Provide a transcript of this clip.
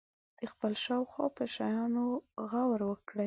د خپل شاوخوا په شیانو غور وکړي.